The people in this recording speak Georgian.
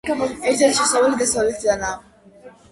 ერთადერთი შესასვლელი დასავლეთიდანაა.